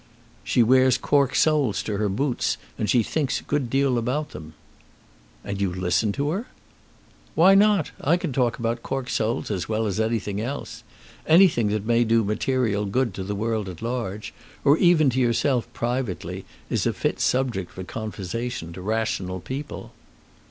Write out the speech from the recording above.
"She wears cork soles to her boots and she thinks a good deal about them." "And you listen to her?" "Why not? I can talk about cork soles as well as anything else. Anything that may do material good to the world at large, or even to yourself privately, is a fit subject for conversation to rational people."